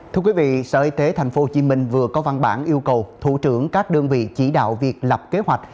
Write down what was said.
thưa quý vị sở y tế tp hcm vừa có văn bản yêu cầu thủ trưởng các đơn vị chỉ đạo việc lập kế hoạch